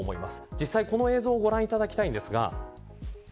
実際にこの映像をご覧いただきたいのですが。